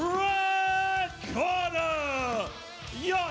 รองวัลยอดแสน